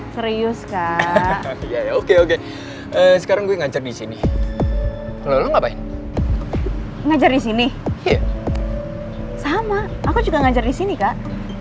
serius kak oke sekarang gue ngajar di sini ngapain ngajar di sini sama aku juga ngajar di sini kak